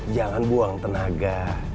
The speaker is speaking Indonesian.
jangan buang tenaga